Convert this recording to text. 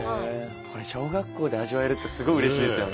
これ小学校で味わえるってすごいうれしいですよね。